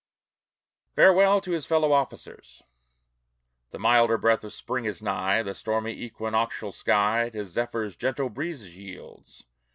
FAREWELL TO HIS FELLOW OFFICERS The milder breath of Spring is nigh; The stormy equinoctial sky To Zephyr's gentle breezes yields.